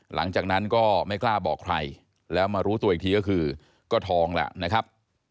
หลังจากนั้นก็ไม่กล้าบอกใครแล้วมารู้ตัวอีกทีก็คือก็ทองแล้วนะครับ